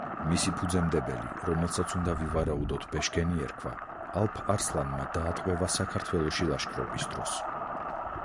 მისი ფუძემდებელი, რომელსაც, უნდა ვივარაუდოთ, ბეშქენი ერქვა, ალფ-არსლანმა დაატყვევა საქართველოში ლაშქრობის დროს.